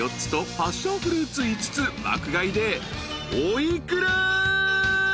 パッションフルーツ５つ爆買いでお幾ら？］